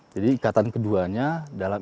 jadi ikatan keduanya dalam